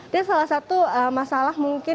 dan salah satu masalah mungkin